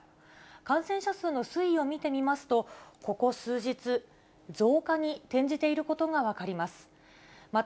感染者数の推移を見てみますと、ここ数日、増加に転じていることが分かります。